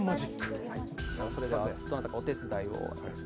それでは、どなたかお手伝いを。